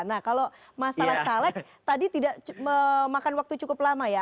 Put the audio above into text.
nah kalau masalah caleg tadi tidak memakan waktu cukup lama ya